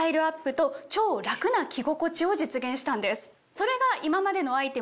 それが。